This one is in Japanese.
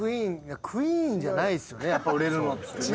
やっぱ売れるのってね。